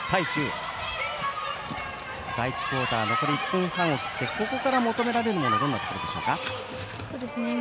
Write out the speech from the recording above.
第１クオーター残り１分半を切ってここから求められるものはどんなところでしょうか？